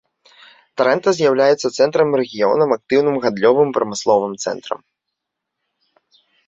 Трэнта з'яўляецца цэнтрам рэгіёнам актыўным гандлёвым і прамысловым цэнтрам.